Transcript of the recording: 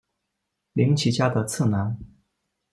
绫崎家的次男。